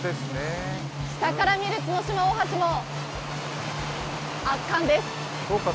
下から見る角島大橋も圧巻です。